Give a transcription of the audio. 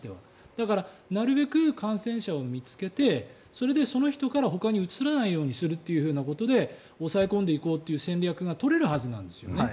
だからなるべく感染者を見つけてそれでその人からほかにうつらないようにするということで抑え込んでいこうという戦略が取れるはずなんですよね。